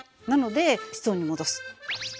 なので室温に戻す。